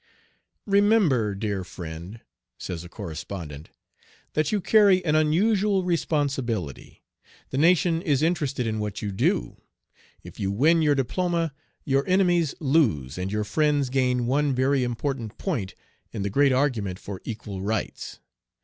"Remember, dear friend," says a correspondent, "that you carry an unusual responsibility. The nation is interested in what you do. If you win your diploma, your enemies lose and your friends gain one very important point in the great argument for equal rights.